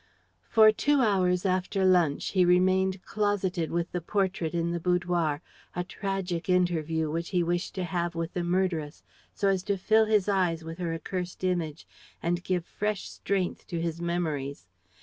For two hours after lunch he remained closeted with the portrait in the boudoir: a tragic interview which he wished to have with the murderess, so as to fill his eyes with her accursed image and give fresh strength to his memories.